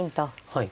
はい。